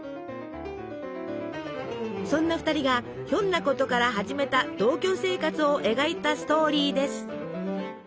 そんな２人がひょんなことから始めた同居生活を描いたストーリーです。